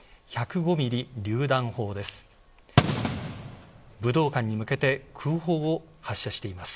１０５ミリりゅう弾砲です。